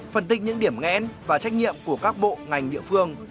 phân tích những điểm ngẽn và trách nhiệm của các bộ ngành địa phương